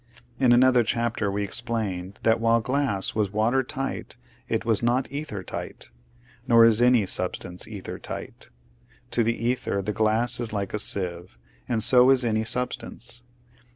In another chapter we explained that, while glass was water tight it was not ether tight ; nor is any substance ether tight. To the ether the glass is like a sieve, and so is any substance.